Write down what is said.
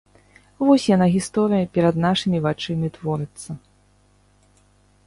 Вось яна, гісторыя, перад нашымі вачыма творыцца.